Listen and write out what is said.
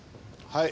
はい。